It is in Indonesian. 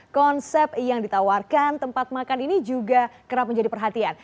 konsep yang ditawarkan tempat makan ini juga kerap menjadi perhatian